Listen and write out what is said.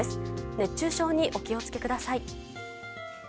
熱中症にお気をつけください。